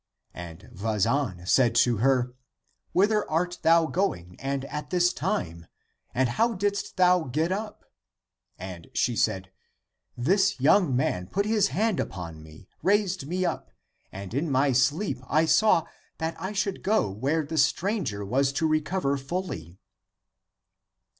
And Vazan said to her, " Whither art thou going and at this time? And how didst thou get up? " And she said, " This young man put his hand upon me, raised me up, and in my sleep I saw that I should go where the stranger was to recover fully."